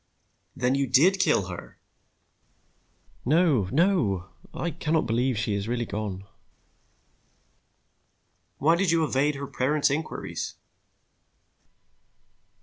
"Then you did kill her?" "No, no. I cannot believe she is really gone." "Why did you evade her parents' inquiries?"